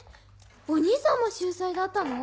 お兄さんも秀才だったの？